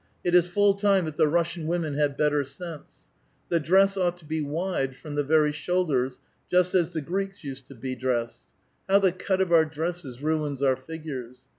It is full time that the Russian women had better sense. The dress ought to be wide from the very shoulders, just as the Greeks used to be dressed 1 IIow the cut of our dresses ruins our figures